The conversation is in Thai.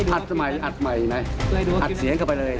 อัดสมัยอัดใหม่นะอัดเสียงเข้าไปเลย